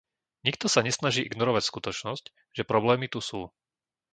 Nikto sa nesnaží ignorovať skutočnosť, že problémy tu sú.